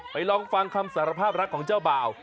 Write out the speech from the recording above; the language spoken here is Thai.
ลองฟังคำสารภาพรักของเจ้าบ่าว